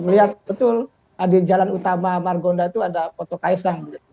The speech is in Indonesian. melihat betul di jalan utama margonda itu ada foto kaisang